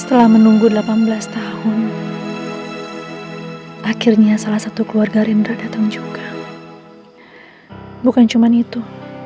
setelah menunggu delapan belas tahun akhirnya salah satu keluarga rindra datang juga bukan cuma itu